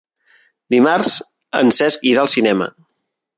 Dimarts en Cesc irà al cinema.